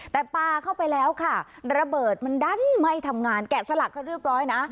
แต่ปลาเข้าไปแล้วค่ะระเบิดมันดันไหม้ทำงานแกะสลักกันเรียบร้อยนะ